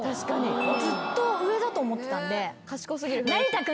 ずっと上だと思ってたんで。